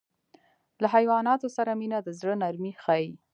له حیواناتو سره مینه د زړه نرمي ښيي.